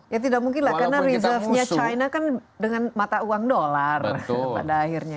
ya tidak mungkin lah karena reserve nya china kan dengan mata uang dolar pada akhirnya